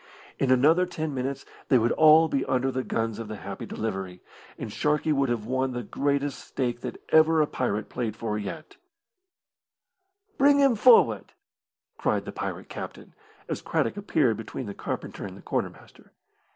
In another ten minutes they would all be under the guns of the Happy Delivery, and Sharkey would have won the greatest stake that ever a pirate played for yet. "Bring him forward," cried the pirate captain, as Craddock appeared between the carpenter and the quartermaster.